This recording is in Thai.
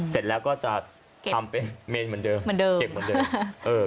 เสร็จแล้วก็จะทำเป็นเมนเหมือนเดิมเก็บเหมือนเดิม